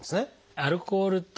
「アルコール」と「胆石」